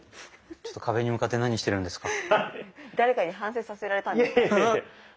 ちょっと壁に向かって何してるんですか？